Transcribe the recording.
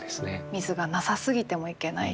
水がなさすぎてもいけない。